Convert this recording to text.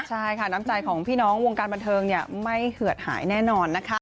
ใช่ค่ะน้ำใจของพี่น้องวงการบันเทิงไม่เหือดหายแน่นอนนะคะ